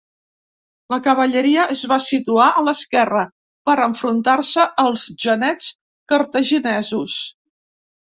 La cavalleria es va situar a l'esquerra, per enfrontar-se als genets cartaginesos.